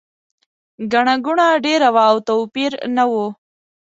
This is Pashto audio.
ګڼه ګوڼه ډېره وه او توپیر نه و.